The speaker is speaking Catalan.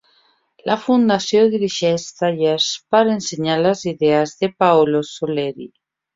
La fundació dirigeix tallers per ensenyar les idees de Paolo Soleri.